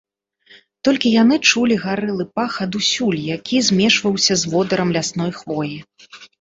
Толькі яны чулі гарэлы пах адусюль, які змешваўся з водарам лясной хвоі.